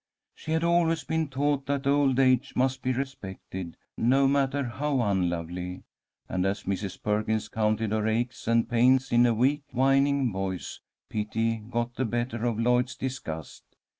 She had always been taught that old age must be respected, no matter how unlovely, and as Mrs. Perkins counted her aches and pains in a weak, whining voice, pity got the better of Lloyd's disgust.